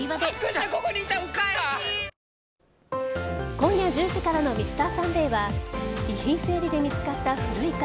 今夜１０時からの「Ｍｒ．サンデー」は遺品整理で見つかった古い缶。